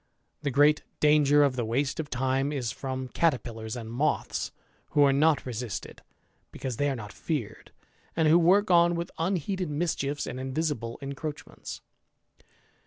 The great danger of the waste of time Ib firom caterpillars and moths, who are not resisted, because they are not feared, and who work on with imheeded mischiefs and invisible encroachments.